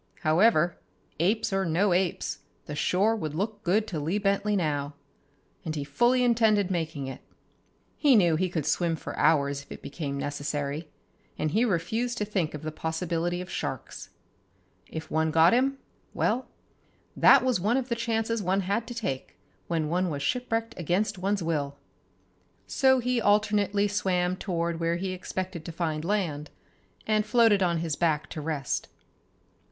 However, apes or no apes, the shore would look good to Lee Bentley now. And he fully intended making it. He knew he could swim for hours if it became necessary, and he refused to think of the possibility of sharks. If one got him, well, that was one of the chances one had to take when one was shipwrecked against one's will. So he alternately swam toward where he expected to find land, and floated on his back to rest.